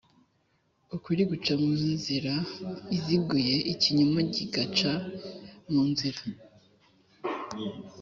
Ukuri guca mu nzira iziguye ikinyoma kigaca mu nzira